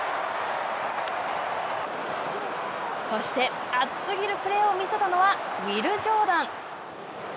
そして、熱すぎるプレーを見せたのはウィル・ジョーダン。